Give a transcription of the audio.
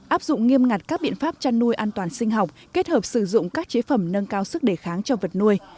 áp dụng nghiêm ngặt các biện pháp chăn nuôi an toàn sinh học kết hợp sử dụng các chế phẩm nâng cao sức đề kháng cho vật nuôi